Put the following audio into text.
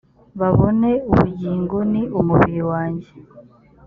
babone ubugingo ni umubiri wanjye